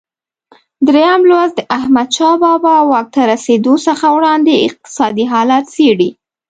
درېم لوست د احمدشاه بابا واک ته رسېدو څخه وړاندې اقتصادي حالت څېړي.